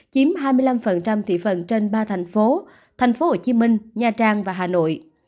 chiếm hai mươi năm thị phần trên ba thành phố thành phố hồ chí minh nha trang và hà nội